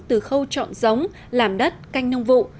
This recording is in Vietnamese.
từ khâu trọn giống làm đất canh nông vụ